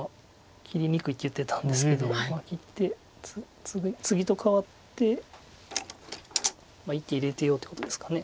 切りにくいって言ってたんですけど切ってツギと換わって１手入れていようってことですか。